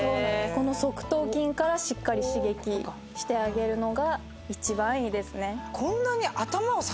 側頭筋からしっかり刺激してあげるのが一番いいですね。